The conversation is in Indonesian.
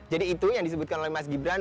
jadi itu yang disebutkan oleh mas gibran